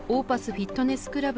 フィットネスクラブ